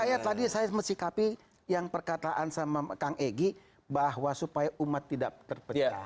saya tadi saya mesikapi yang perkataan sama kang egy bahwa supaya umat tidak terpecah